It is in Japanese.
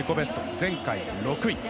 前回６位。